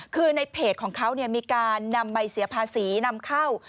คือในเพจของเขามีการนำใบเสียภาษีนำเข้า